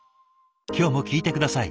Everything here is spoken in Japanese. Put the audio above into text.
今日も聞いて下さい。